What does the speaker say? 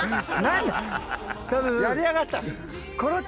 やりやがった。